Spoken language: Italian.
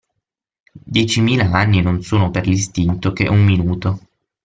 Diecimila anni non sono per l'istinto che un minuto.